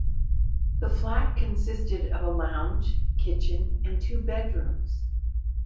The flat consisted of a lounge, kitchen and two bedrooms.